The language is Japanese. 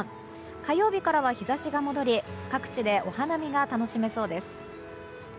火曜日からは日差しが戻り各地でお花見が楽しめそうです。